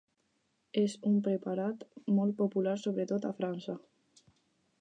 És un preparat molt popular, sobretot a França.